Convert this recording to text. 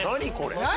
何？